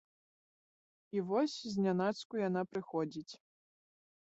І вось знянацку яна прыходзіць.